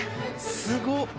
すごっ。